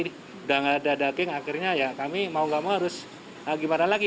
sudah nggak ada daging akhirnya ya kami mau gak mau harus gimana lagi